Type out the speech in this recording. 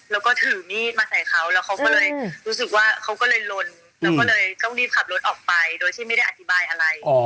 แล้วก็ถือมีดมาใส่เขาแล้วเขาก็เลยรู้สึกว่าเขาก็เลยลนเราก็เลยต้องรีบขับรถออกไปโดยที่ไม่ได้อธิบายอะไร